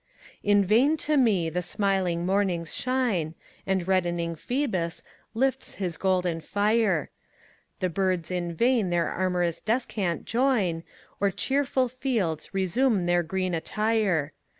In vain to me the smiling mornings shine, And reddening Phoebus lifts his golden fire; The birds in vain their amorous descant join, Or cheerful fields resume their green attire.